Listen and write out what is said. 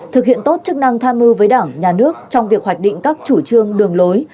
thực hiện tốt chức năng tham mưu với đảng nhà nước trong việc hoạch định các chủ trương đường lối